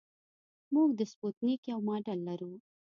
موږ د سپوتنیک یو ماډل لرو